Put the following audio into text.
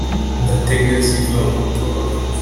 ndatega zivamo”